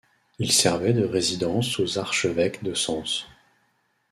Il servait de résidence aux archevêques de Sens.